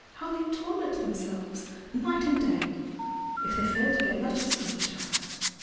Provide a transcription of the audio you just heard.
how they ZmZ themselves night and day! if they fa 1 t^ Jt W ters from each other!